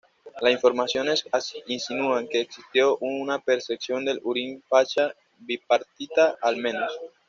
Las informaciones insinúan que existió una percepción del "hurin pacha" bipartita, al menos.